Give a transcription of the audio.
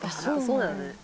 そうだね。